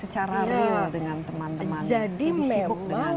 secara real dengan teman teman yang lebih sibuk dengan gadgetnya